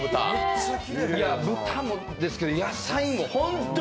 豚もですけど、野菜もホントに。